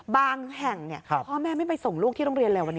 บางแห่งนี่พ่อแม่ไม่ไปส่งลูกที่โรงเรียนอะไรวันนี้